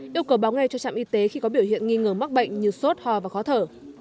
yêu cầu báo ngay cho trạm y tế khi có biểu hiện nghi ngờ mắc bệnh như sốt ho và khó thở